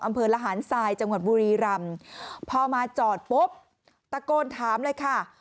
อำเภอระหารทรายจังหวัดบุรีรำพอมาจอดปุ๊บตะโกนถามเลยค่ะ